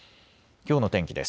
きょうの天気です。